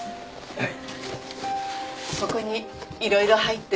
はい。